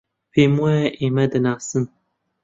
پێم وایە ئێمە دەناسن.